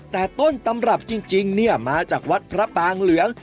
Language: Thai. แต่ต้นตำรับจริงเนี่ยมาจากวัดพระปางเหลือง